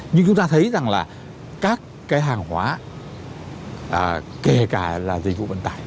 nhưng chúng ta thấy rằng là các cái hàng hóa kể cả là dịch vụ vận tải